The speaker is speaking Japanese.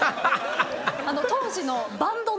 当時の。